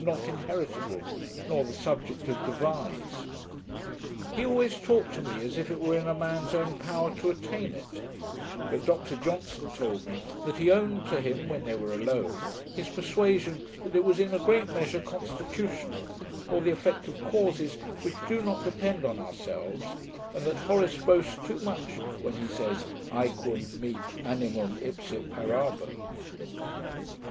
not inheritable, nor the subject of devise. He always talked to me as if it were in a man's own power to attain it; but Dr Johnson told me that he owned to him, when they were alone, his persuasion that it was in a great measure constitutional, or the effect of causes which do not depend on ourselves, and that Horace boasts too much, when he says, aequum mi animum ipse parabo.